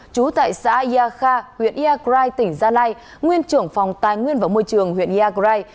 chú tại xã yà kha huyện yà grai tỉnh gia lai nguyên trưởng phòng tài nguyên và môi trường huyện yà grai